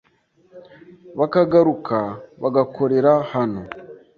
bakagaruka bagakorera hano